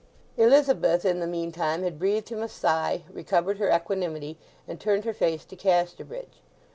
Elizabeth, in the meantime, had breathed him a sigh, recovered her equanimity, and turned her face to Casterbridge.